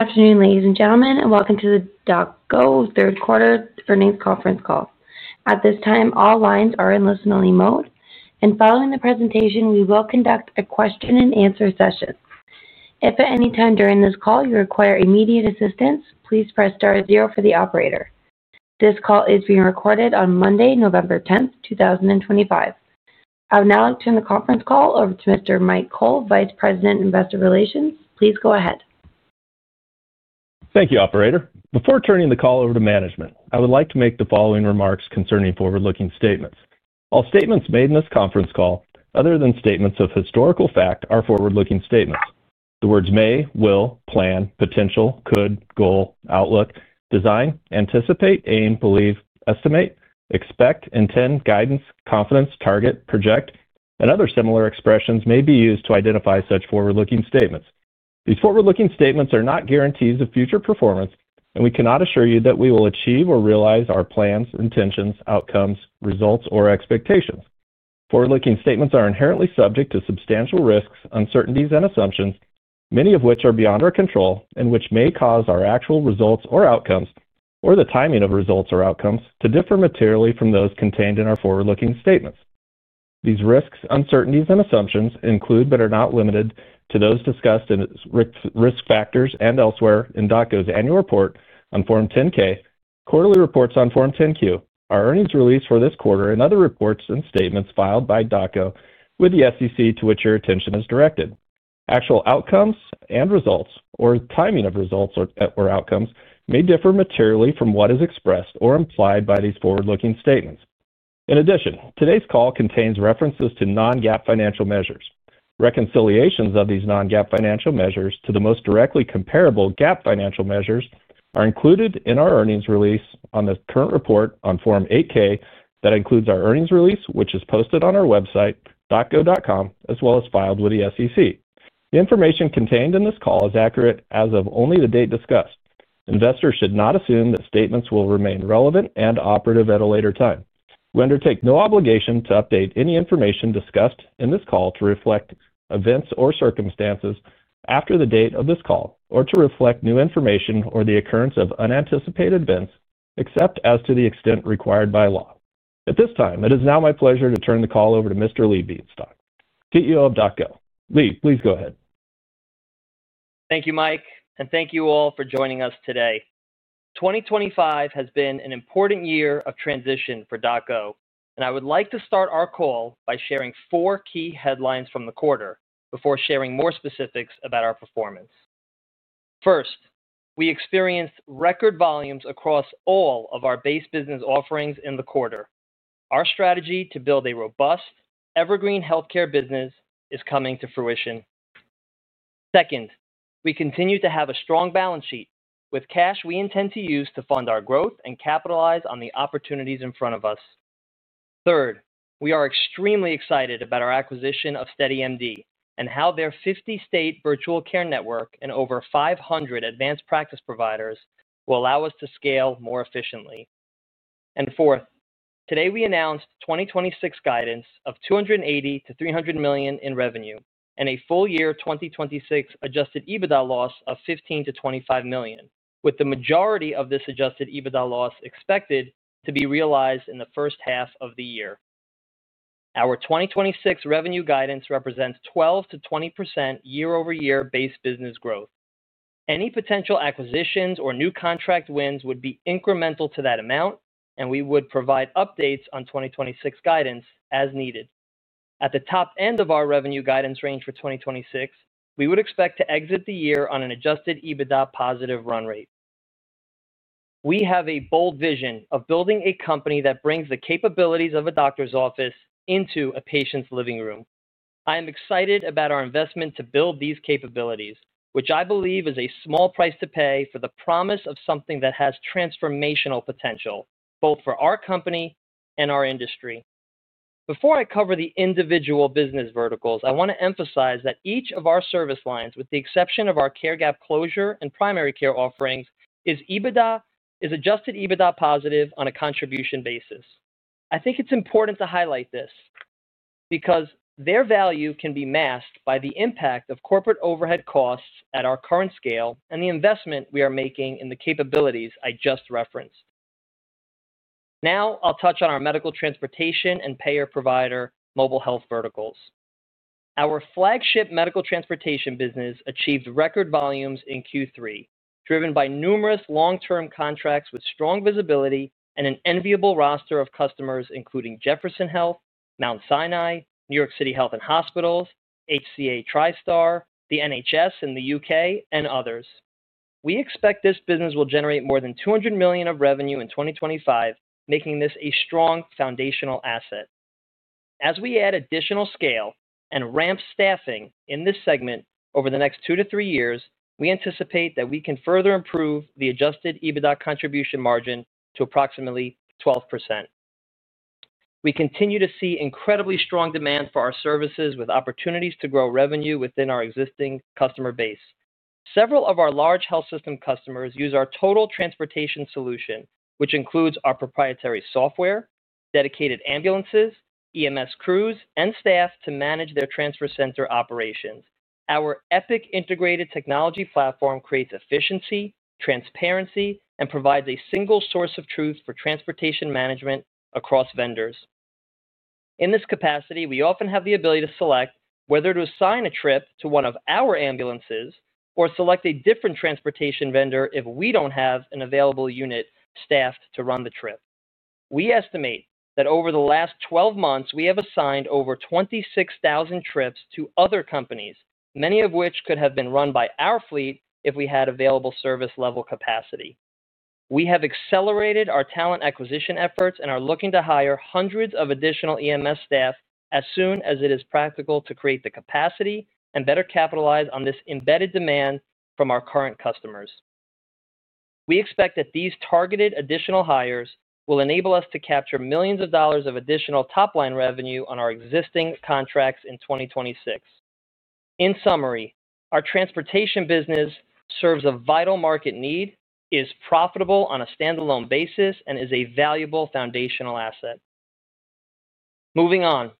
Good afternoon, ladies and gentlemen, and welcome to the DocGo third quarter for NAICS conference call. At this time, all lines are in listen-only mode, and following the presentation, we will conduct a question-and-answer session. If at any time during this call you require immediate assistance, please press star zero for the operator. This call is being recorded on Monday, November 10th, 2025. I will now turn the conference call over to Mr. Mike Cole, Vice President, Investor Relations. Please go ahead. Thank you, Operator. Before turning the call over to management, I would like to make the following remarks concerning forward-looking statements. All statements made in this conference call, other than statements of historical fact, are forward-looking statements. The words may, will, plan, potential, could, goal, outlook, design, anticipate, aim, believe, estimate, expect, intend, guidance, confidence, target, project, and other similar expressions may be used to identify such forward-looking statements. These forward-looking statements are not guarantees of future performance, and we cannot assure you that we will achieve or realize our plans, intentions, outcomes, results, or expectations. Forward-looking statements are inherently subject to substantial risks, uncertainties, and assumptions, many of which are beyond our control and which may cause our actual results or outcomes, or the timing of results or outcomes, to differ materially from those contained in our forward-looking statements. These risks, uncertainties, and assumptions include, but are not limited to, those discussed in risk factors and elsewhere in DocGo's annual report on Form 10-K, quarterly reports on Form 10-Q, our earnings release for this quarter, and other reports and statements filed by DocGo with the SEC to which your attention is directed. Actual outcomes and results, or timing of results or outcomes, may differ materially from what is expressed or implied by these forward-looking statements. In addition, today's call contains references to non-GAAP financial measures. Reconciliations of these non-GAAP financial measures to the most directly comparable GAAP financial measures are included in our earnings release on the current report on Form 8-K that includes our earnings release, which is posted on our website, docgo.com, as well as filed with the SEC. The information contained in this call is accurate as of only the date discussed. Investors should not assume that statements will remain relevant and operative at a later time. We undertake no obligation to update any information discussed in this call to reflect events or circumstances after the date of this call or to reflect new information or the occurrence of unanticipated events, except as to the extent required by law. At this time, it is now my pleasure to turn the call over to Mr. Lee Bienstock, CEO of DocGo. Lee, please go ahead. Thank you, Mike, and thank you all for joining us today. 2025 has been an important year of transition for DocGo, and I would like to start our call by sharing four key headlines from the quarter before sharing more specifics about our performance. First, we experienced record volumes across all of our base business offerings in the quarter. Our strategy to build a robust, evergreen healthcare business is coming to fruition. Second, we continue to have a strong balance sheet with cash we intend to use to fund our growth and capitalize on the opportunities in front of us. Third, we are extremely excited about our acquisition of SteadyMD and how their 50-state virtual care network and over 500 advanced practice providers will allow us to scale more efficiently. Today we announced 2026 guidance of $280 million-$300 million in revenue and a full year 2026 Adjusted EBITDA loss of $15 million-$25 million, with the majority of this Adjusted EBITDA loss expected to be realized in the first half of the year. Our 2026 revenue guidance represents 12%-20% year-over-year base business growth. Any potential acquisitions or new contract wins would be incremental to that amount, and we would provide updates on 2026 guidance as needed. At the top end of our revenue guidance range for 2026, we would expect to exit the year on an Adjusted EBITDA positive run rate. We have a bold vision of building a company that brings the capabilities of a doctor's office into a patient's living room. I am excited about our investment to build these capabilities, which I believe is a small price to pay for the promise of something that has transformational potential, both for our company and our industry. Before I cover the individual business verticals, I want to emphasize that each of our service lines, with the exception of our care gap closure and primary care offerings, is Adjusted EBITDA positive on a contribution basis. I think it's important to highlight this because their value can be masked by the impact of corporate overhead costs at our current scale and the investment we are making in the capabilities I just referenced. Now I'll touch on our medical transportation and payer-provider mobile health verticals. Our flagship medical transportation business achieved record volumes in Q3, driven by numerous long-term contracts with strong visibility and an enviable roster of customers including Jefferson Health, Mount Sinai Health System, New York City Health + Hospitals, HCA Healthcare TriStar, the NHS in the U.K., and others. We expect this business will generate more than $200 million of revenue in 2025, making this a strong foundational asset. As we add additional scale and ramp staffing in this segment over the next two to three years, we anticipate that we can further improve the Adjusted EBITDA contribution margin to approximately 12%. We continue to see incredibly strong demand for our services, with opportunities to grow revenue within our existing customer base. Several of our large health system customers use our total transportation solution, which includes our proprietary software, dedicated ambulances, EMS crews, and staff to manage their transfer center operations. Our Epic Integrated Technology platform creates efficiency, transparency, and provides a single source of truth for transportation management across vendors. In this capacity, we often have the ability to select whether to assign a trip to one of our ambulances or select a different transportation vendor if we do not have an available unit staffed to run the trip. We estimate that over the last 12 months, we have assigned over 26,000 trips to other companies, many of which could have been run by our fleet if we had available service-level capacity. We have accelerated our talent acquisition efforts and are looking to hire hundreds of additional EMS staff as soon as it is practical to create the capacity and better capitalize on this embedded demand from our current customers. We expect that these targeted additional hires will enable us to capture millions of dollars of additional top-line revenue on our existing contracts in 2026. In summary, our transportation business serves a vital market need, is profitable on a standalone basis, and is a valuable foundational asset. Moving on,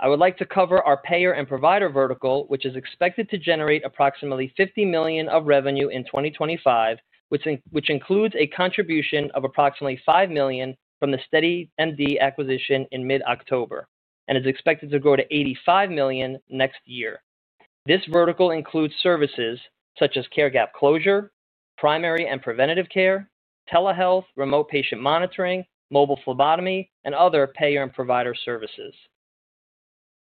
I would like to cover our payer and provider vertical, which is expected to generate approximately $50 million of revenue in 2025, which includes a contribution of approximately $5 million from the SteadyMD acquisition in mid-October and is expected to grow to $85 million next year. This vertical includes services such as care gap closure, primary and preventative care, telehealth, remote patient monitoring, mobile phlebotomy, and other payer and provider services.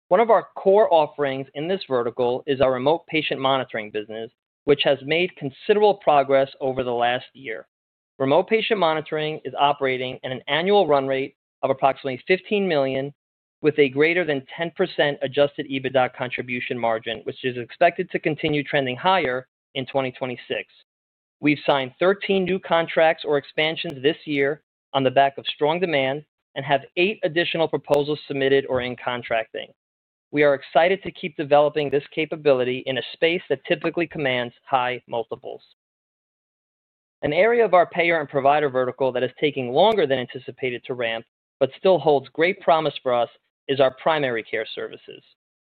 One of our core offerings in this vertical is our remote patient monitoring business, which has made considerable progress over the last year. Remote patient monitoring is operating at an annual run rate of approximately $15 million, with a greater than 10% Adjusted EBITDA contribution margin, which is expected to continue trending higher in 2026. We've signed 13 new contracts or expansions this year on the back of strong demand and have eight additional proposals submitted or in contracting. We are excited to keep developing this capability in a space that typically commands high multiples. An area of our payer and provider vertical that is taking longer than anticipated to ramp but still holds great promise for us is our primary care services.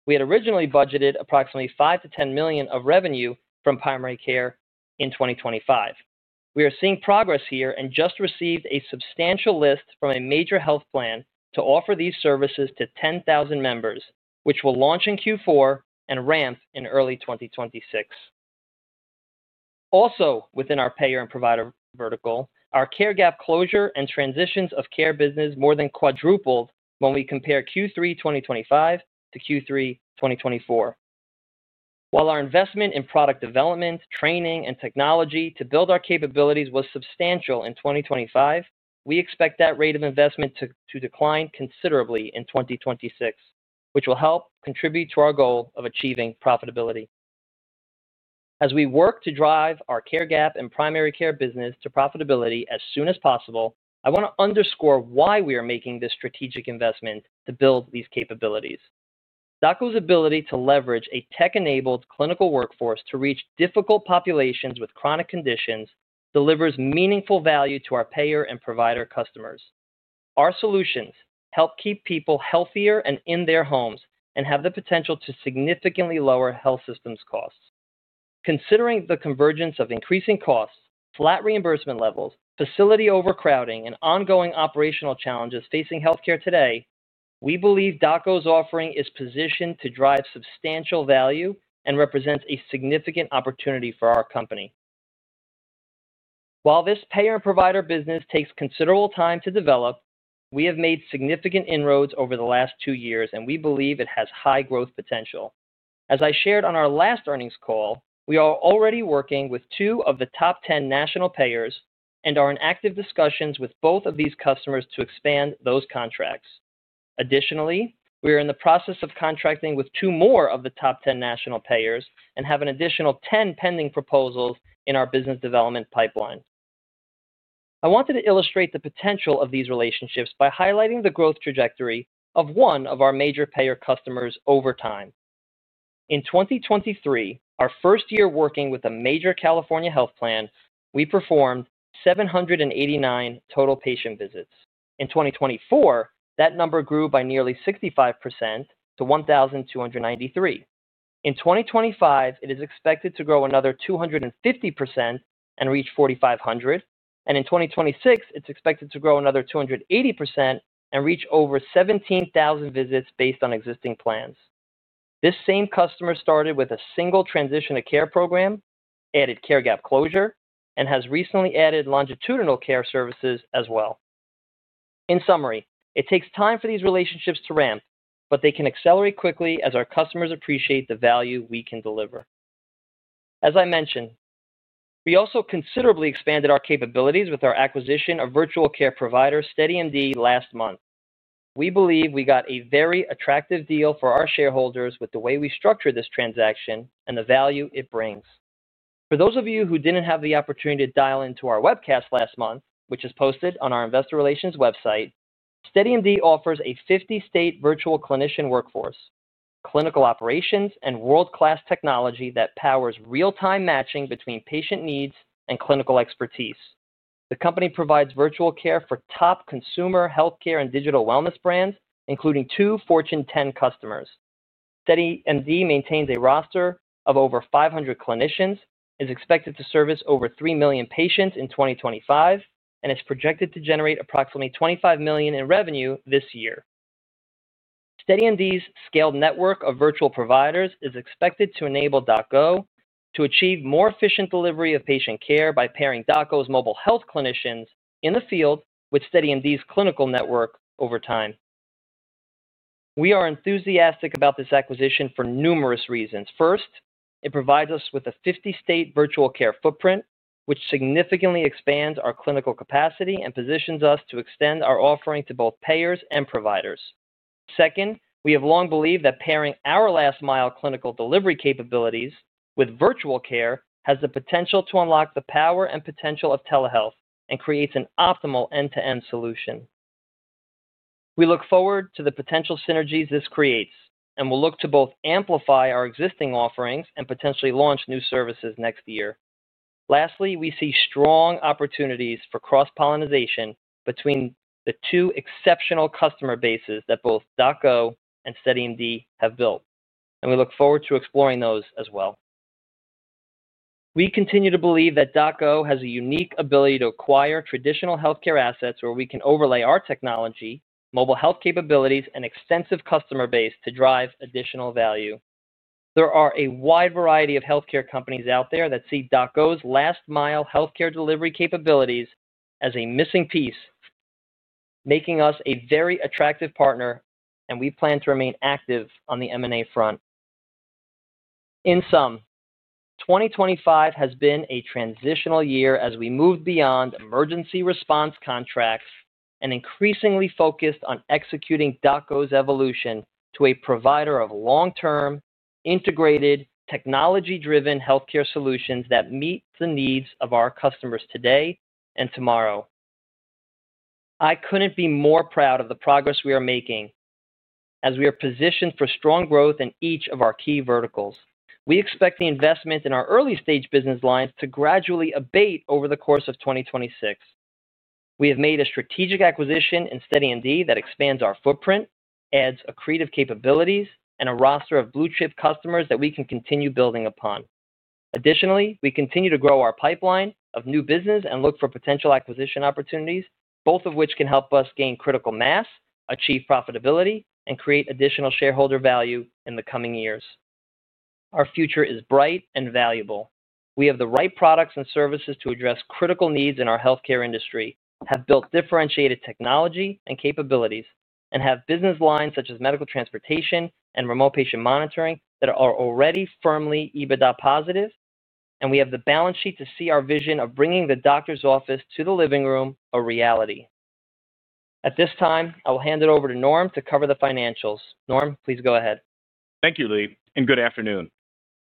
We had originally budgeted approximately $5 million-$10 million of revenue from primary care in 2025. We are seeing progress here and just received a substantial list from a major health plan to offer these services to 10,000 members, which will launch in Q4 and ramp in early 2026. Also, within our payer and provider vertical, our care gap closure and transitions of care business more than quadrupled when we compare Q3 2025-Q3 2024. While our investment in product development, training, and technology to build our capabilities was substantial in 2025, we expect that rate of investment to decline considerably in 2026, which will help contribute to our goal of achieving profitability. As we work to drive our care gap and primary care business to profitability as soon as possible, I want to underscore why we are making this strategic investment to build these capabilities. DocGo's ability to leverage a tech-enabled clinical workforce to reach difficult populations with chronic conditions delivers meaningful value to our payer and provider customers. Our solutions help keep people healthier and in their homes and have the potential to significantly lower health systems costs. Considering the convergence of increasing costs, flat reimbursement levels, facility overcrowding, and ongoing operational challenges facing healthcare today, we believe DocGo's offering is positioned to drive substantial value and represents a significant opportunity for our company. While this payer and provider business takes considerable time to develop, we have made significant inroads over the last two years, and we believe it has high growth potential. As I shared on our last earnings call, we are already working with two of the top 10 national payers and are in active discussions with both of these customers to expand those contracts. Additionally, we are in the process of contracting with two more of the top 10 national payers and have an additional 10 pending proposals in our business development pipeline. I wanted to illustrate the potential of these relationships by highlighting the growth trajectory of one of our major payer customers over time. In 2023, our first year working with a major California health plan, we performed 789 total patient visits. In 2024, that number grew by nearly 65% to 1,293. In 2025, it is expected to grow another 250% and reach 4,500, and in 2026, it's expected to grow another 280% and reach over 17,000 visits based on existing plans. This same customer started with a single transition to care program, added care gap closure, and has recently added longitudinal care services as well. In summary, it takes time for these relationships to ramp, but they can accelerate quickly as our customers appreciate the value we can deliver. As I mentioned, we also considerably expanded our capabilities with our acquisition of virtual care provider SteadyMD last month. We believe we got a very attractive deal for our shareholders with the way we structured this transaction and the value it brings. For those of you who did not have the opportunity to dial into our webcast last month, which is posted on our investor relations website, SteadyMD offers a 50-state virtual clinician workforce, clinical operations, and world-class technology that powers real-time matching between patient needs and clinical expertise. The company provides virtual care for top consumer healthcare and digital wellness brands, including two Fortune 10 customers. SteadyMD maintains a roster of over 500 clinicians, is expected to service over 3 million patients in 2025, and is projected to generate approximately $25 million in revenue this year. SteadyMD's scaled network of virtual providers is expected to enable DocGo to achieve more efficient delivery of patient care by pairing DocGo's mobile health clinicians in the field with SteadyMD's clinical network over time. We are enthusiastic about this acquisition for numerous reasons. First, it provides us with a 50-state virtual care footprint, which significantly expands our clinical capacity and positions us to extend our offering to both payers and providers. Second, we have long believed that pairing our last-mile clinical delivery capabilities with virtual care has the potential to unlock the power and potential of telehealth and creates an optimal end-to-end solution. We look forward to the potential synergies this creates, and we'll look to both amplify our existing offerings and potentially launch new services next year. Lastly, we see strong opportunities for cross-pollinization between the two exceptional customer bases that both DocGo and SteadyMD have built, and we look forward to exploring those as well. We continue to believe that DocGo has a unique ability to acquire traditional healthcare assets where we can overlay our technology, mobile health capabilities, and extensive customer base to drive additional value. There are a wide variety of healthcare companies out there that see DocGo's last-mile healthcare delivery capabilities as a missing piece, making us a very attractive partner, and we plan to remain active on the M&A front. In sum, 2025 has been a transitional year as we moved beyond emergency response contracts and increasingly focused on executing DocGo's evolution to a provider of long-term, integrated, technology-driven healthcare solutions that meet the needs of our customers today and tomorrow. I couldn't be more proud of the progress we are making as we are positioned for strong growth in each of our key verticals. We expect the investment in our early-stage business lines to gradually abate over the course of 2026. We have made a strategic acquisition in SteadyMD that expands our footprint, adds accretive capabilities, and a roster of blue-chip customers that we can continue building upon. Additionally, we continue to grow our pipeline of new business and look for potential acquisition opportunities, both of which can help us gain critical mass, achieve profitability, and create additional shareholder value in the coming years. Our future is bright and valuable. We have the right products and services to address critical needs in our healthcare industry, have built differentiated technology and capabilities, and have business lines such as medical transportation and remote patient monitoring that are already firmly EBITDA positive, and we have the balance sheet to see our vision of bringing the doctor's office to the living room a reality. At this time, I will hand it over to Norm to cover the financials. Norm, please go ahead. Thank you, Lee, and good afternoon.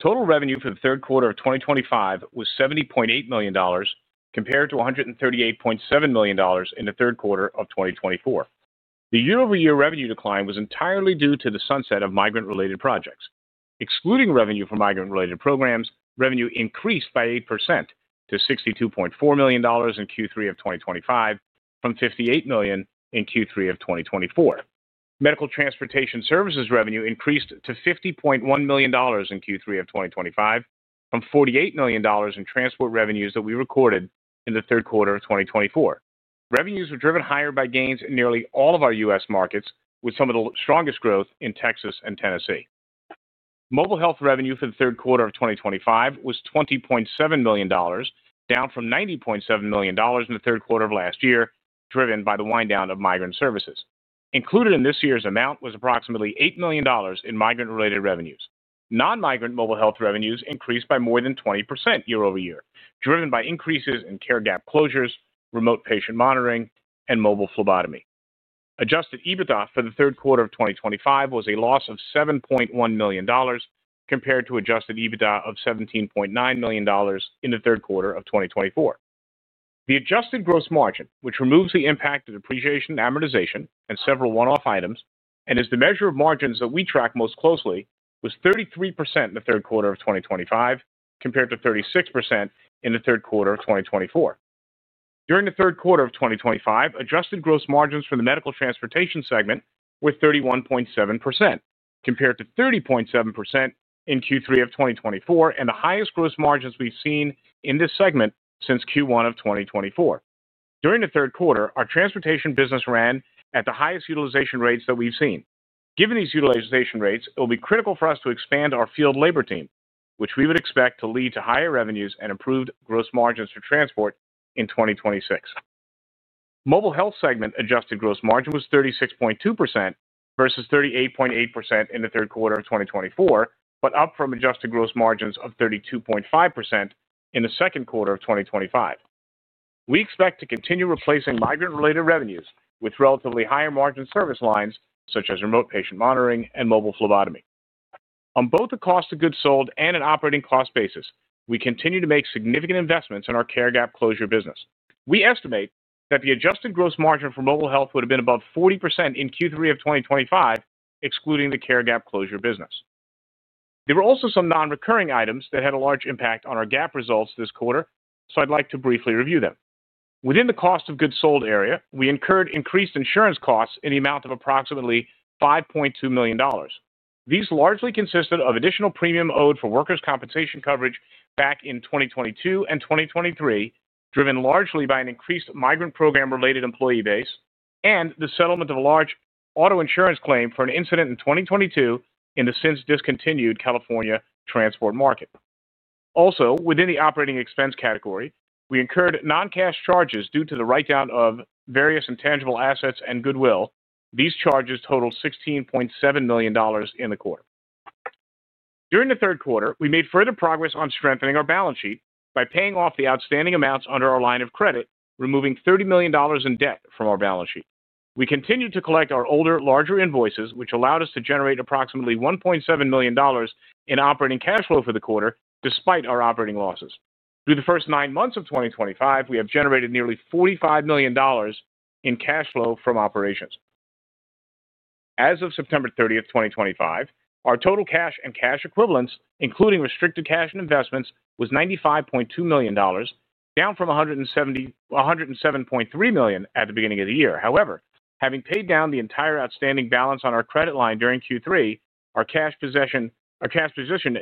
Total revenue for the third quarter of 2025 was $70.8 million compared to $138.7 million in the third quarter of 2024. The year-over-year revenue decline was entirely due to the sunset of migrant-related projects. Excluding revenue for migrant-related programs, revenue increased by 8% to $62.4 million in Q3 of 2025, from $58 million in Q3 of 2024. Medical transportation services revenue increased to $50.1 million in Q3 of 2025, from $48 million in transport revenues that we recorded in the third quarter of 2024. Revenues were driven higher by gains in nearly all of our U.S. markets, with some of the strongest growth in Texas and Tennessee. Mobile health revenue for the third quarter of 2025 was $20.7 million, down from $90.7 million in the third quarter of last year, driven by the wind down of migrant services. Included in this year's amount was approximately $8 million in migrant-related revenues. Non-migrant mobile health revenues increased by more than 20% year-over-year, driven by increases in care gap closures, remote patient monitoring, and mobile phlebotomy. Adjusted EBITDA for the third quarter of 2025 was a loss of $7.1 million compared to Adjusted EBITDA of $17.9 million in the third quarter of 2024. The adjusted gross margin, which removes the impact of depreciation and amortization and several one-off items, and is the measure of margins that we track most closely, was 33% in the third quarter of 2025 compared to 36% in the third quarter of 2024. During the third quarter of 2025, adjusted gross margins for the medical transportation segment were 31.7% compared to 30.7% in Q3 of 2024, and the highest gross margins we've seen in this segment since Q1 of 2024. During the third quarter, our transportation business ran at the highest utilization rates that we've seen. Given these utilization rates, it will be critical for us to expand our field labor team, which we would expect to lead to higher revenues and improved gross margins for transport in 2026. Mobile health segment adjusted gross margin was 36.2% versus 38.8% in the third quarter of 2024, but up from adjusted gross margins of 32.5% in the second quarter of 2025. We expect to continue replacing migrant-related revenues with relatively higher margin service lines such as remote patient monitoring and mobile phlebotomy. On both the cost of goods sold and an operating cost basis, we continue to make significant investments in our care gap closure business. We estimate that the adjusted gross margin for mobile health would have been above 40% in Q3 of 2025, excluding the care gap closure business. There were also some non-recurring items that had a large impact on our gap results this quarter, so I'd like to briefly review them. Within the cost of goods sold area, we incurred increased insurance costs in the amount of approximately $5.2 million. These largely consisted of additional premium owed for workers' compensation coverage back in 2022 and 2023, driven largely by an increased migrant program-related employee base and the settlement of a large auto insurance claim for an incident in 2022 in the since discontinued California transport market. Also, within the operating expense category, we incurred non-cash charges due to the write-down of various intangible assets and goodwill. These charges totaled $16.7 million in the quarter. During the third quarter, we made further progress on strengthening our balance sheet by paying off the outstanding amounts under our line of credit, removing $30 million in debt from our balance sheet. We continued to collect our older, larger invoices, which allowed us to generate approximately $1.7 million in operating cash flow for the quarter despite our operating losses. Through the first nine months of 2025, we have generated nearly $45 million in cash flow from operations. As of September 30, 2025, our total cash and cash equivalents, including restricted cash and investments, was $95.2 million, down from $107.3 million at the beginning of the year. However, having paid down the entire outstanding balance on our credit line during Q3, our cash position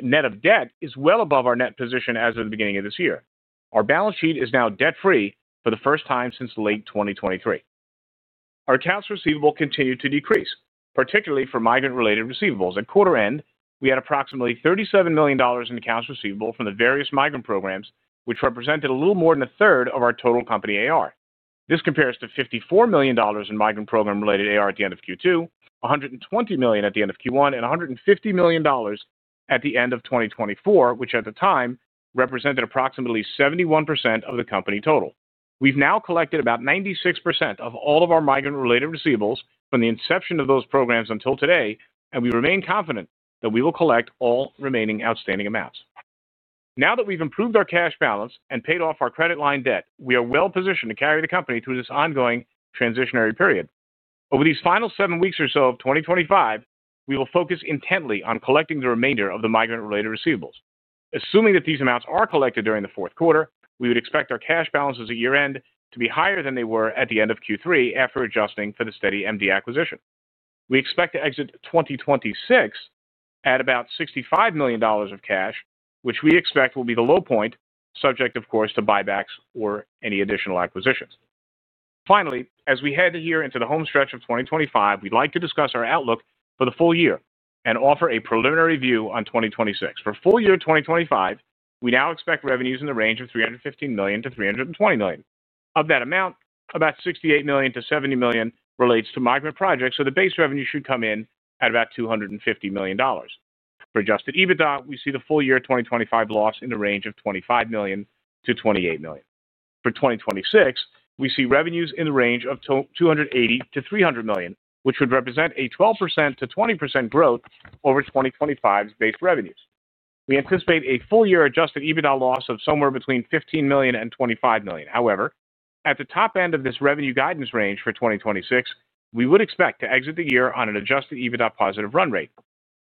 net of debt is well above our net position as of the beginning of this year. Our balance sheet is now debt-free for the first time since late 2023. Our accounts receivable continued to decrease, particularly for migrant-related receivables. At quarter end, we had approximately $37 million in accounts receivable from the various migrant programs, which represented a little more than 1/3 of our total company AR. This compares to $54 million in migrant program-related AR at the end of Q2, $120 million at the end of Q1, and $150 million at the end of 2024, which at the time represented approximately 71% of the company total. We've now collected about 96% of all of our migrant-related receivables from the inception of those programs until today, and we remain confident that we will collect all remaining outstanding amounts. Now that we've improved our cash balance and paid off our credit line debt, we are well-positioned to carry the company through this ongoing transitionary period. Over these final seven weeks or so of 2025, we will focus intently on collecting the remainder of the migrant-related receivables. Assuming that these amounts are collected during the fourth quarter, we would expect our cash balances at year-end to be higher than they were at the end of Q3 after adjusting for the SteadyMD acquisition. We expect to exit 2026 at about $65 million of cash, which we expect will be the low point, subject, of course, to buybacks or any additional acquisitions. Finally, as we head here into the home stretch of 2025, we'd like to discuss our outlook for the full year and offer a preliminary view on 2026. For full year 2025, we now expect revenues in the range of $315 million-$320 million. Of that amount, about $68 million-$70 million relates to migrant projects, so the base revenue should come in at about $250 million. For Adjusted EBITDA, we see the full year 2025 loss in the range of $25 million-$28 million. For 2026, we see revenues in the range of $280 million-$300 million, which would represent a 12%-20% growth over 2025's base revenues. We anticipate a full year Adjusted EBITDA loss of somewhere between $15 million and $25 million. However, at the top end of this revenue guidance range for 2026, we would expect to exit the year on an Adjusted EBITDA positive run rate.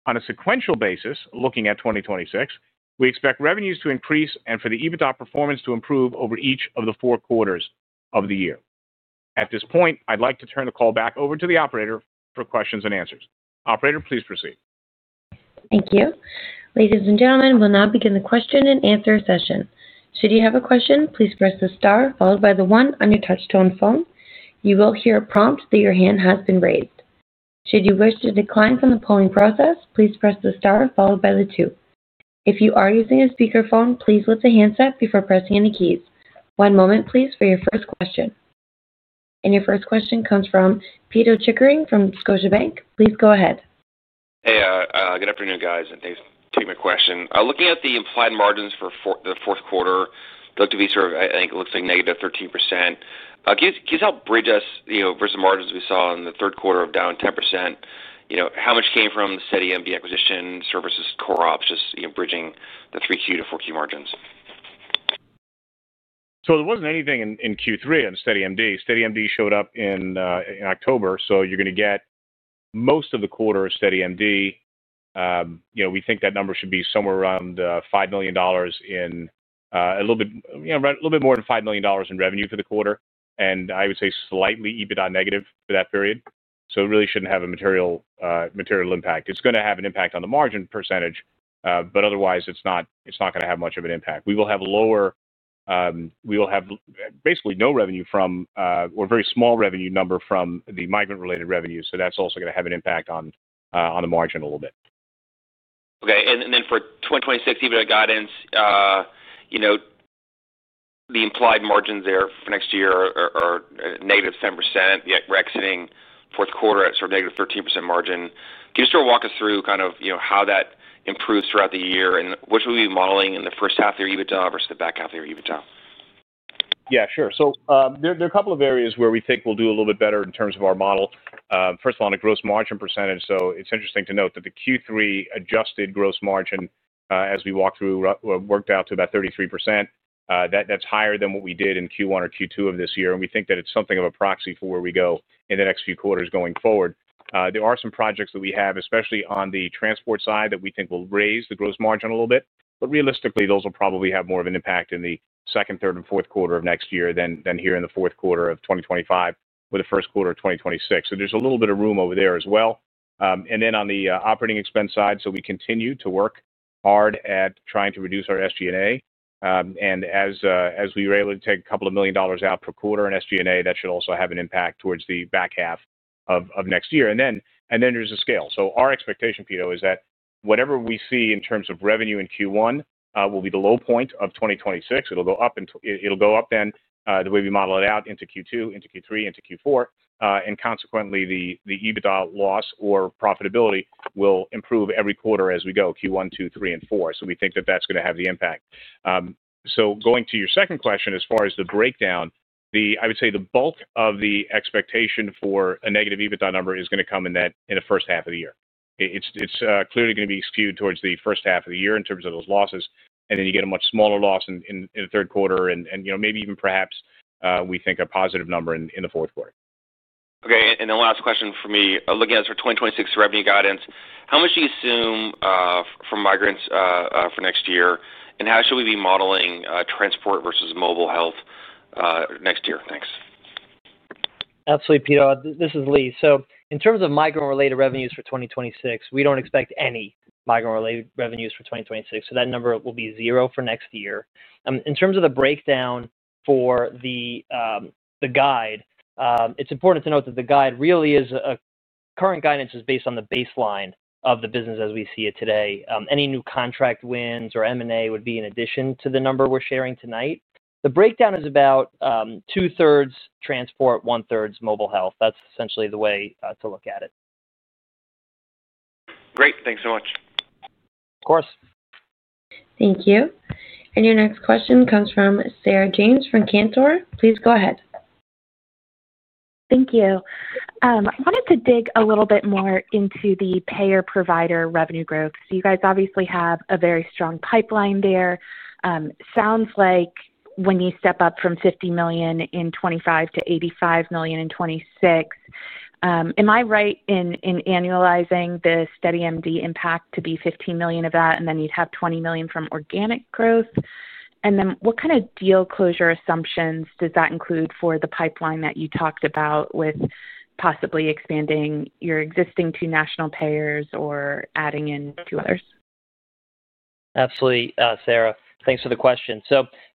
On a sequential basis, looking at 2026, we expect revenues to increase and for the EBITDA performance to improve over each of the four quarters of the year. At this point, I'd like to turn the call back over to the operator for questions-and-answers. Operator, please proceed. Thank you. Ladies and gentlemen, we'll now begin the question-and-answer session. Should you have a question, please press the star followed by the one on your touch-tone phone. You will hear a prompt that your hand has been raised. Should you wish to decline from the polling process, please press the star followed by the two. If you are using a speakerphone, please lift the handset before pressing any keys. One moment, please, for your first question. Your first question comes from Pito Chickering from .Please go ahead. Hey, good afternoon, guys. Thanks for taking my question. Looking at the implied margins for the fourth quarter, they look to be sort of, I think it looks like -13%. Can you help bridge us, you know, versus the margins we saw in the third quarter of down 10%? You know, how much came from the SteadyMD acquisition services core ops just, you know, bridging the 3Q-4Q margins? There wasn't anything in Q3 on SteadyMD. SteadyMD showed up in October, so you're going to get most of the quarter of SteadyMD. You know, we think that number should be somewhere around $5 million and a little bit, you know, a little bit more than $5 million in revenue for the quarter, and I would say slightly EBITDA negative for that period. It really shouldn't have a material impact. It's going to have an impact on the margin percentage, but otherwise it's not going to have much of an impact. We will have lower, we will have basically no revenue from, or a very small revenue number from the migrant-related revenue, so that's also going to have an impact on the margin a little bit. Okay. Then for 2026 EBITDA guidance, you know, the implied margins there for next year are -10%, yet we're exiting fourth quarter at sort of negative 13% margin. Can you sort of walk us through kind of, you know, how that improves throughout the year and which will we be modeling in the first half of your EBITDA versus the back half of your EBITDA? Yeah, sure. There are a couple of areas where we think we'll do a little bit better in terms of our model. First of all, on a gross margin percentage, it's interesting to note that the Q3 adjusted gross margin, as we walked through, worked out to about 33%. That's higher than what we did in Q1 or Q2 of this year, and we think that it's something of a proxy for where we go in the next few quarters going forward. There are some projects that we have, especially on the transport side, that we think will raise the gross margin a little bit, but realistically, those will probably have more of an impact in the second, third, and fourth quarter of next year than here in the fourth quarter of 2025 or the first quarter of 2026. There is a little bit of room over there as well. On the operating expense side, we continue to work hard at trying to reduce our SG&A, and as we were able to take a couple of million dollars out per quarter in SG&A, that should also have an impact towards the back half of next year. There is a scale. Our expectation, Pito, is that whatever we see in terms of revenue in Q1 will be the low point of 2026. It'll go up, and it'll go up then the way we model it out into Q2, into Q3, into Q4, and consequently, the EBITDA loss or profitability will improve every quarter as we go Q1, Q2, Q3, and Q4. We think that that's going to have the impact. Going to your second question, as far as the breakdown, I would say the bulk of the expectation for a negative EBITDA number is going to come in the first half of the year. It's clearly going to be skewed towards the first half of the year in terms of those losses, and then you get a much smaller loss in the third quarter, and maybe even perhaps we think a positive number in the fourth quarter. Okay. And then last question for me, looking at for 2026 revenue guidance, how much do you assume for migrants for next year, and how should we be modeling transport versus mobile health next year? Thanks. Absolutely, Pito.This is Lee. So in terms of migrant-related revenues for 2026, we do not expect any migrant-related revenues for 2026, so that number will be zero for next year. In terms of the breakdown for the guide, it is important to note that the guide really is a current guidance is based on the baseline of the business as we see it today. Any new contract wins or M&A would be in addition to the number we're sharing tonight. The breakdown is about two-thirds transport, one-third mobile health. That's essentially the way to look at it. Great. Thanks so much. Of course. Thank you. Your next question comes from Sarah James from Cantor. Please go ahead. Thank you. I wanted to dig a little bit more into the payer-provider revenue growth. You guys obviously have a very strong pipeline there. Sounds like when you step up from $50 million in 2025 to $85 million in 2026, am I right in annualizing the SteadyMD impact to be $15 million of that, and then you'd have $20 million from organic growth? What kind of deal closure assumptions does that include for the pipeline that you talked about with possibly expanding your existing two national payers or adding in two others? Absolutely, Sarah. Thanks for the question.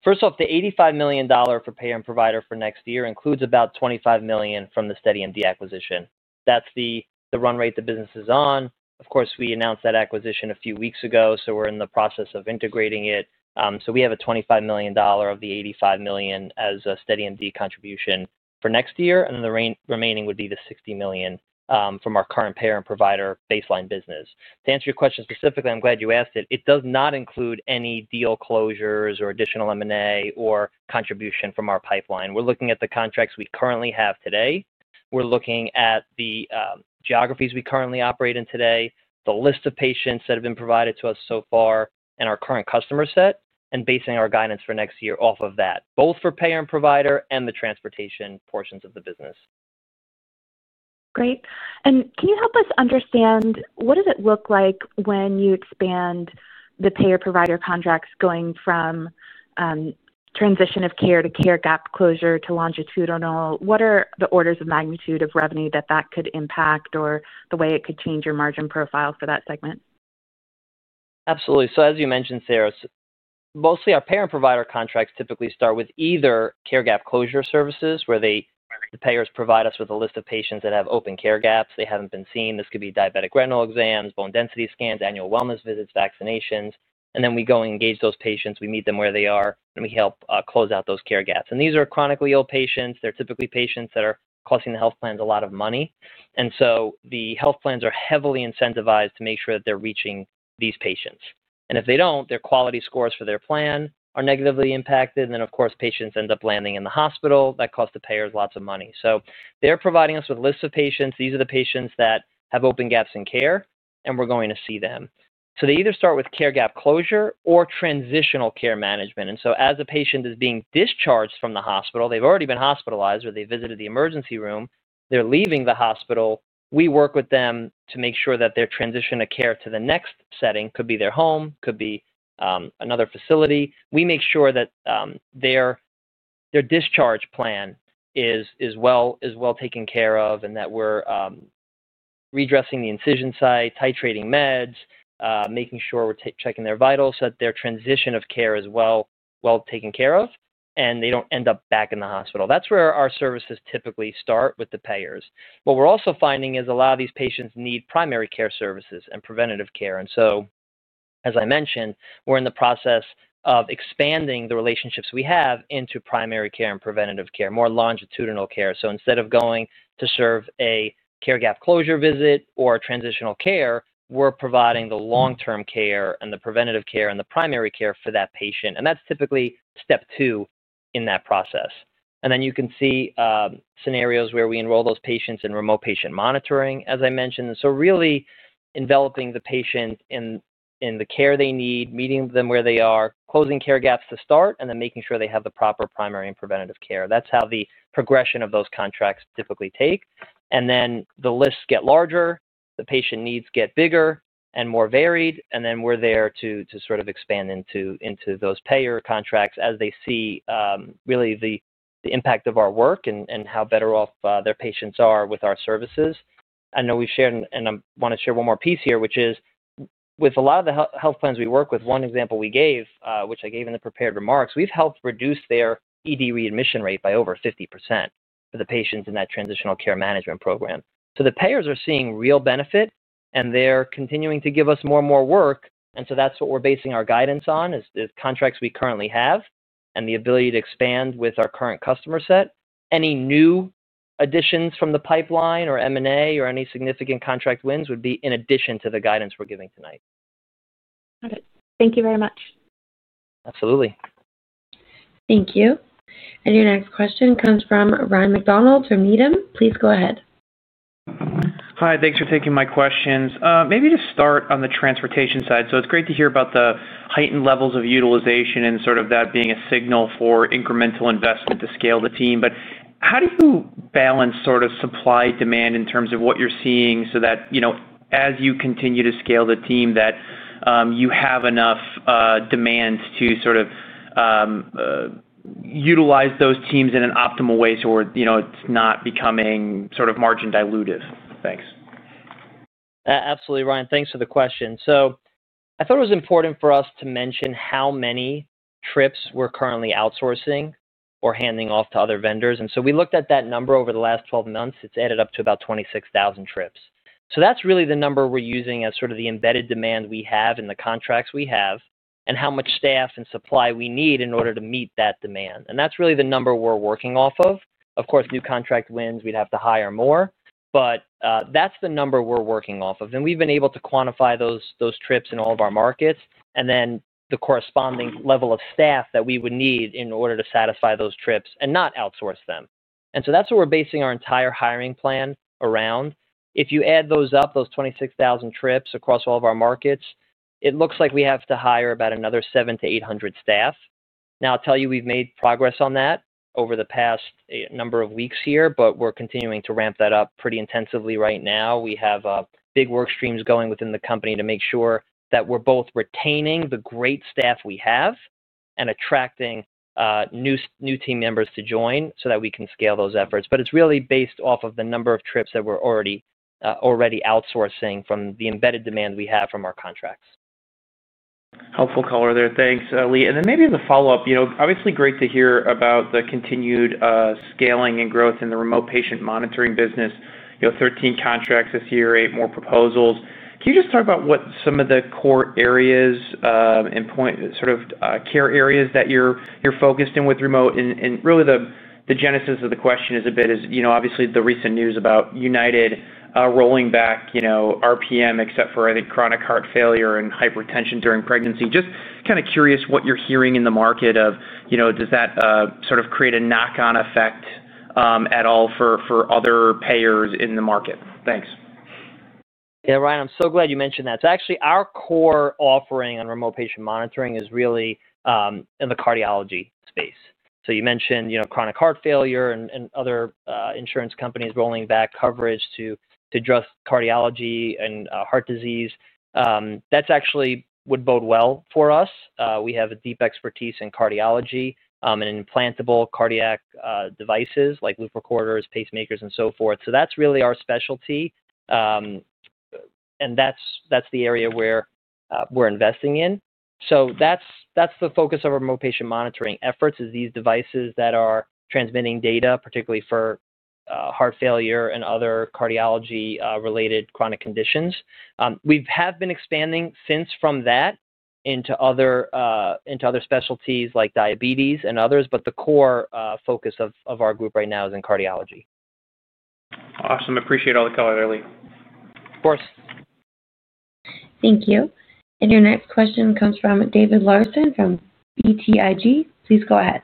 First off, the $85 million for payer and provider for next year includes about $25 million from the SteadyMD acquisition. That's the run rate the business is on. Of course, we announced that acquisition a few weeks ago, so we're in the process of integrating it. We have $25 million of the $85 million as a SteadyMD contribution for next year, and the remaining would be the $60 million from our current payer and provider baseline business. To answer your question specifically, I'm glad you asked it. It does not include any deal closures or additional M&A or contribution from our pipeline. We're looking at the contracts we currently have today. We're looking at the geographies we currently operate in today, the list of patients that have been provided to us so far, and our current customer set, and basing our guidance for next year off of that, both for payer and provider and the transportation portions of the business. Great. Can you help us understand what does it look like when you expand the payer-provider contracts going from transition of care to care gap closure to longitudinal? What are the orders of magnitude of revenue that that could impact or the way it could change your margin profile for that segment? Absolutely. As you mentioned, Sarah, mostly our payer and provider contracts typically start with either care gap closure services where the payers provide us with a list of patients that have open care gaps they haven't been seen. This could be diabetic retinal exams, bone density scans, annual wellness visits, vaccinations. We go and engage those patients. We meet them where they are, and we help close out those care gaps. These are chronically ill patients. They're typically patients that are costing the health plans a lot of money. The health plans are heavily incentivized to make sure that they're reaching these patients. If they don't, their quality scores for their plan are negatively impacted. Of course, patients end up landing in the hospital. That costs the payers lots of money. They're providing us with lists of patients. These are the patients that have open gaps in care, and we're going to see them. They either start with care gap closure or transitional care management. As a patient is being discharged from the hospital, they've already been hospitalized or they've visited the emergency room, they're leaving the hospital, we work with them to make sure that their transition of care to the next setting could be their home, could be another facility. We make sure that their discharge plan is well taken care of and that we're redressing the incision site, titrating meds, making sure we're checking their vitals so that their transition of care is well taken care of and they don't end up back in the hospital. That's where our services typically start with the payers. What we're also finding is a lot of these patients need primary care services and preventative care. As I mentioned, we're in the process of expanding the relationships we have into primary care and preventative care, more longitudinal care. Instead of going to serve a care gap closure visit or transitional care, we're providing the long-term care and the preventative care and the primary care for that patient. That's typically step two in that process. You can see scenarios where we enroll those patients in remote patient monitoring, as I mentioned. Really enveloping the patient in the care they need, meeting them where they are, closing care gaps to start, and then making sure they have the proper primary and preventative care. That's how the progression of those contracts typically take. The lists get larger, the patient needs get bigger and more varied, and we're there to sort of expand into those payer contracts as they see really the impact of our work and how better off their patients are with our services. I know we've shared, and I want to share one more piece here, which is with a lot of the health plans we work with, one example we gave, which I gave in the prepared remarks, we've helped reduce their ED readmission rate by over 50% for the patients in that transitional care management program. The payers are seeing real benefit, and they're continuing to give us more and more work. That's what we're basing our guidance on, is contracts we currently have and the ability to expand with our current customer set. Any new additions from the pipeline or M&A or any significant contract wins would be in addition to the guidance we're giving tonight. Got it. Thank you very much. Absolutely. Thank you. Your next question comes from Ryan McDonald from Needham. Please go ahead. Hi. Thanks for taking my questions. Maybe to start on the transportation side, it's great to hear about the heightened levels of utilization and sort of that being a signal for incremental investment to scale the team. How do you balance sort of supply-demand in terms of what you're seeing so that, you know, as you continue to scale the team, you have enough demand to sort of utilize those teams in an optimal way so it's not becoming sort of margin dilutive? Thanks. Absolutely, Ryan. Thanks for the question. I thought it was important for us to mention how many trips we're currently outsourcing or handing off to other vendors. We looked at that number over the last 12 months. It's added up to about 26,000 trips. That's really the number we're using as sort of the embedded demand we have in the contracts we have and how much staff and supply we need in order to meet that demand. That's really the number we're working off of. Of course, new contract wins, we'd have to hire more, but that's the number we're working off of. We've been able to quantify those trips in all of our markets and then the corresponding level of staff that we would need in order to satisfy those trips and not outsource them. That's what we're basing our entire hiring plan around. If you add those up, those 26,000 trips across all of our markets, it looks like we have to hire about another 700-800 staff. Now, I'll tell you we've made progress on that over the past number of weeks here, but we're continuing to ramp that up pretty intensively right now. We have big work streams going within the company to make sure that we're both retaining the great staff we have and attracting new team members to join so that we can scale those efforts. It's really based off of the number of trips that we're already outsourcing from the embedded demand we have from our contracts. Helpful color there. Thanks, Lee. Maybe as a follow-up, obviously great to hear about the continued scaling and growth in the remote patient monitoring business. You have 13 contracts this year, eight more proposals. Can you just talk about what some of the core areas and sort of care areas that you're focused in with remote? Really the genesis of the question is a bit is obviously the recent news about United rolling back RPM except for, I think, chronic heart failure and hypertension during pregnancy. Just kind of curious what you're hearing in the market of does that sort of create a knock-on effect at all for other payers in the market? Thanks. Yeah, Ryan, I'm so glad you mentioned that. Actually, our core offering on remote patient monitoring is really in the cardiology space. You mentioned chronic heart failure and other insurance companies rolling back coverage to just cardiology and heart disease. That actually would bode well for us. We have a deep expertise in cardiology and implantable cardiac devices like loop recorders, pacemakers, and so forth. That's really our specialty, and that's the area where we're investing in. That's the focus of our remote patient monitoring efforts, is these devices that are transmitting data, particularly for heart failure and other cardiology-related chronic conditions. We have been expanding since from that into other specialties like diabetes and others, but the core focus of our group right now is in cardiology. Awesome. Appreciate all the color, Lee. Of course. Thank you. Your next question comes from David Larsen from BTIG. Please go ahead.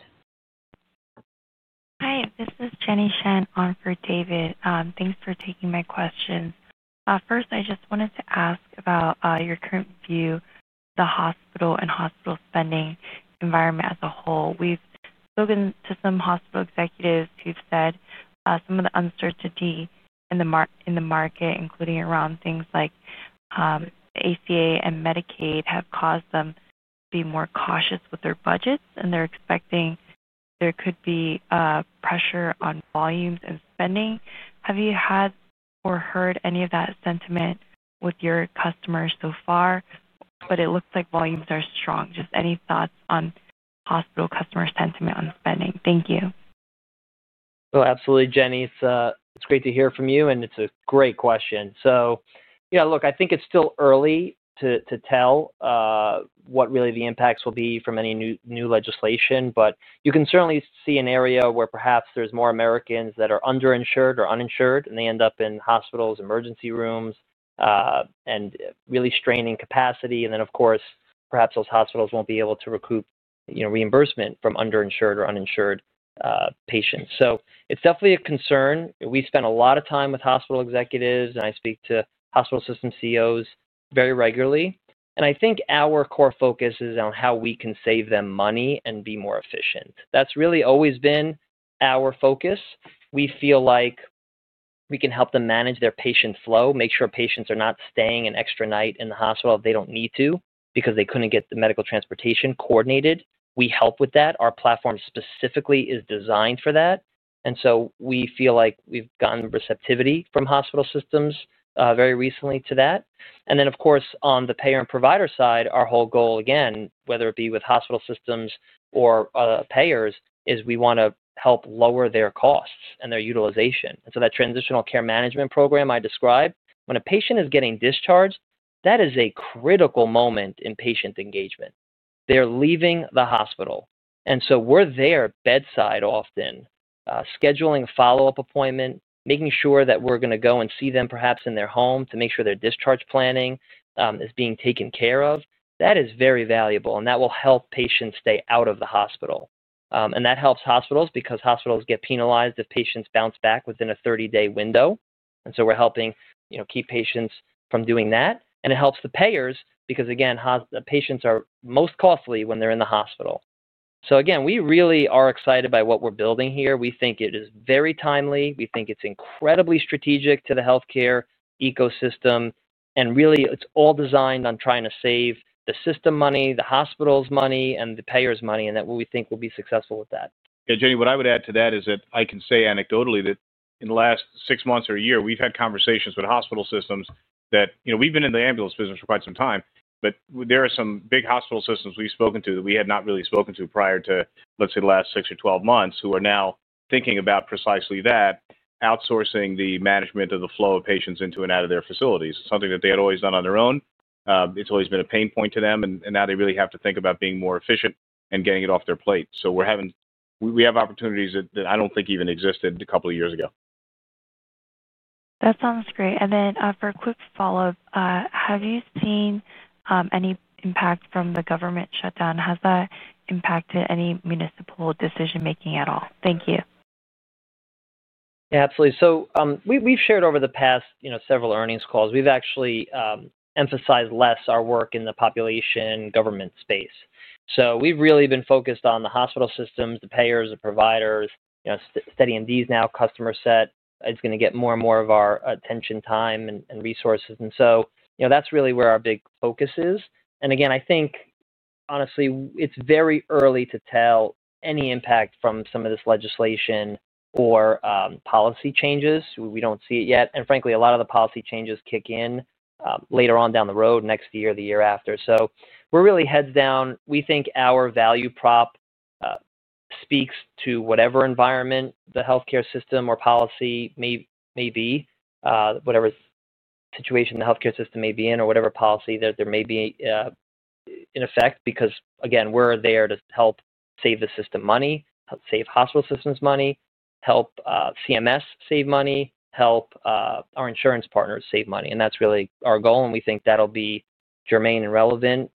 Hi. This is Jenny Shen on for David. Thanks for taking my question. First, I just wanted to ask about your current view of the hospital and hospital spending environment as a whole. We've spoken to some hospital executives who've said some of the uncertainty in the market, including around things like ACA and Medicaid, have caused them to be more cautious with their budgets, and they're expecting there could be pressure on volumes and spending. Have you had or heard any of that sentiment with your customers so far? It looks like volumes are strong. Just any thoughts on hospital customer sentiment on spending? Thank you. Absolutely, Jenny. It's great to hear from you, and it's a great question. I think it's still early to tell what really the impacts will be from any new legislation, but you can certainly see an area where perhaps there's more Americans that are underinsured or uninsured, and they end up in hospitals, emergency rooms, and really straining capacity. Of course, perhaps those hospitals won't be able to recoup reimbursement from underinsured or uninsured patients. It is definitely a concern. We spend a lot of time with hospital executives, and I speak to hospital system CEOs very regularly. I think our core focus is on how we can save them money and be more efficient. That has really always been our focus. We feel like we can help them manage their patient flow, make sure patients are not staying an extra night in the hospital if they do not need to because they could not get the medical transportation coordinated. We help with that. Our platform specifically is designed for that. We feel like we have gotten receptivity from hospital systems very recently to that. Of course, on the payer and provider side, our whole goal, again, whether it be with hospital systems or payers, is we want to help lower their costs and their utilization. That transitional care management program I described, when a patient is getting discharged, that is a critical moment in patient engagement. They're leaving the hospital. We're there bedside often, scheduling a follow-up appointment, making sure that we're going to go and see them perhaps in their home to make sure their discharge planning is being taken care of. That is very valuable, and that will help patients stay out of the hospital. That helps hospitals because hospitals get penalized if patients bounce back within a 30-day window. We're helping keep patients from doing that. It helps the payers because, again, patients are most costly when they're in the hospital. Again, we really are excited by what we're building here. We think it is very timely. We think it's incredibly strategic to the healthcare ecosystem. Really, it's all designed on trying to save the system money, the hospital's money, and the payer's money, and we think we'll be successful with that. Yeah, Jenny, what I would add to that is that I can say anecdotally that in the last six months or a year, we've had conversations with hospital systems that we've been in the ambulance business for quite some time, but there are some big hospital systems we've spoken to that we had not really spoken to prior to, let's say, the last 6 or 12 months who are now thinking about precisely that, outsourcing the management of the flow of patients into and out of their facilities. It's something that they had always done on their own. It's always been a pain point to them, and now they really have to think about being more efficient and getting it off their plate. We have opportunities that I don't think even existed a couple of years ago. That sounds great. For a quick follow-up, have you seen any impact from the government shutdown? Has that impacted any municipal decision-making at all? Thank you. Yeah, absolutely. We've shared over the past several earnings calls, we've actually emphasized less our work in the population government space. We've really been focused on the hospital systems, the payers, the providers, steady and these now customer set. It's going to get more and more of our attention, time, and resources. That's really where our big focus is. I think, honestly, it's very early to tell any impact from some of this legislation or policy changes. We don't see it yet. Frankly, a lot of the policy changes kick in later on down the road, next year, the year after. We're really heads down. We think our value prop speaks to whatever environment the healthcare system or policy may be, whatever situation the healthcare system may be in, or whatever policy there may be in effect because, again, we're there to help save the system money, help save hospital systems money, help CMS save money, help our insurance partners save money. That's really our goal, and we think that'll be germane and relevant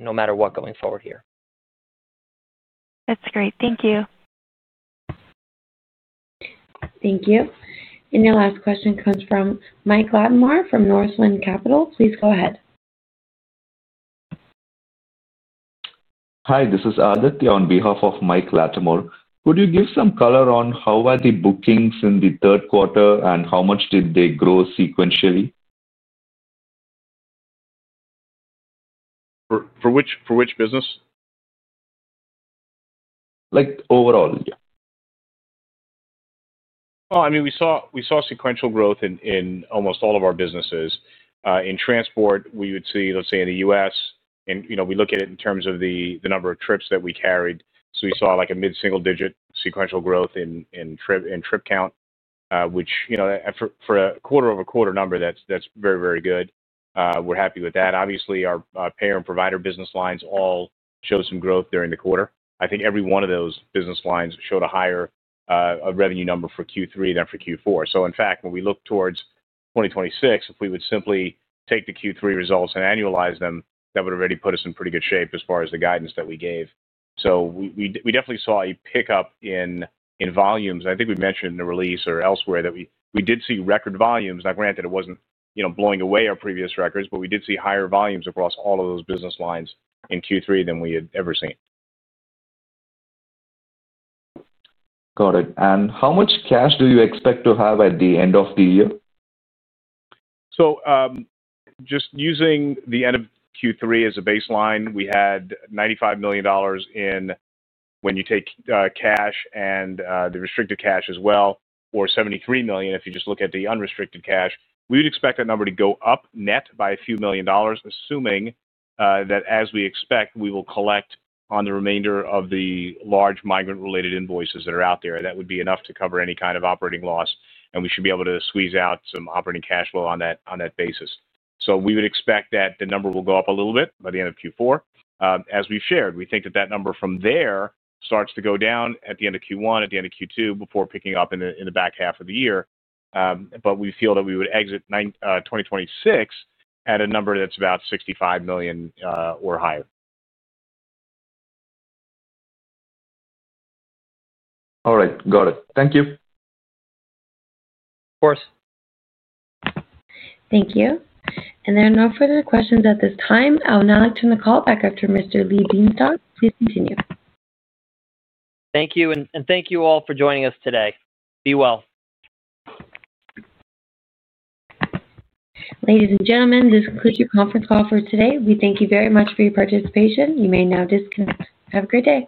no matter what going forward here. That's great. Thank you. Thank you. Your last question comes from Mike Latimore from Northland Capital. Please go ahead. Hi, this is Ardit on behalf of Mike Latimore. Could you give some color on how were the bookings in the third quarter and how much did they grow sequentially? For which business? Overall, yeah. I mean, we saw sequential growth in almost all of our businesses. In transport, we would see, let's say, in the U.S., and we look at it in terms of the number of trips that we carried. We saw a mid-single-digit sequential growth in trip count, which for a quarter-over-quarter number, that's very, very good. We're happy with that. Obviously, our payer and provider business lines all showed some growth during the quarter. I think every one of those business lines showed a higher revenue number for Q3 than for Q4. In fact, when we look towards 2026, if we would simply take the Q3 results and annualize them, that would have already put us in pretty good shape as far as the guidance that we gave. We definitely saw a pickup in volumes. I think we mentioned in the release or elsewhere that we did see record volumes. Now, granted, it was not blowing away our previous records, but we did see higher volumes across all of those business lines in Q3 than we had ever seen. Got it. How much cash do you expect to have at the end of the year? Just using the end of Q3 as a baseline, we had $95 million when you take cash and the restricted cash as well, or $73 million if you just look at the unrestricted cash. We would expect that number to go up net by a few million dollars, assuming that as we expect, we will collect on the remainder of the large migrant-related invoices that are out there. That would be enough to cover any kind of operating loss, and we should be able to squeeze out some operating cash flow on that basis. We would expect that the number will go up a little bit by the end of Q4. As we've shared, we think that that number from there starts to go down at the end of Q1, at the end of Q2, before picking up in the back half of the year. We feel that we would exit 2026 at a number that's about $65 million or higher. All right. Got it. Thank you. Of course. Thank you. There are no further questions at this time. I will now turn the call back to Mr. Lee Bienstock. Please continue. Thank you. And thank you all for joining us today. Be well. Ladies and gentlemen, this concludes your conference call for today. We thank you very much for your participation. You may now disconnect. Have a great day.